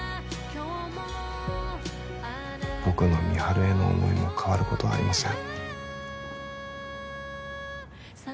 僕の美晴への思いも変わることはありません